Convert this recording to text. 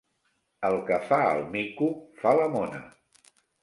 El que fa el mico fa la mona.